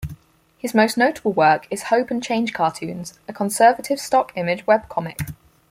His most notable work is Hope n' Change Cartoons, a conservative stock image webcomic.